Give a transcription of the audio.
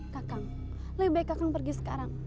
kakak lebih baik kakak pergi sekarang